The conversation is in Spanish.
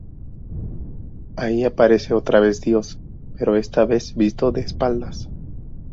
Ahí aparece otra vez Dios, pero esta vez visto de espaldas.